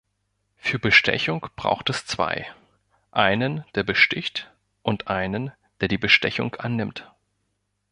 Für Bestechung braucht es zwei: einen, der besticht, und einen, der die Bestechung annimmt.